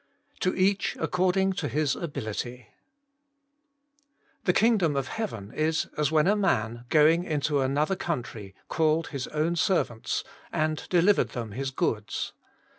Uo iSacb accov^im to bis HbtUt^ ' The kingdom of heaven is as when a man, going into another country, called his own serv ants, and delivered them his goods.